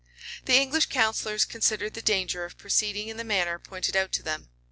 The English counsellors considered the danger of proceeding in the manner pointed out to them.